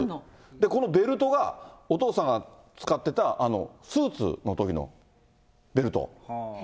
このベルトがお父さんが使ってたスーツのときのベルト。